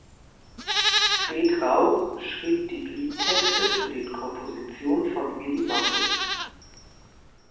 Fred Rauch schrieb die Liedtexte zu den Kompositionen von Willy Mattes.